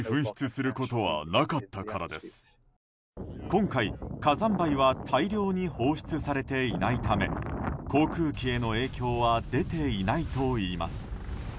今回、火山灰は大量に放出されていないため航空機への影響は出ていないといいます。